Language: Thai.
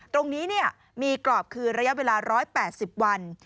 ตรงนี้มีกรอบคือระยะเวลา๑๘๐วัน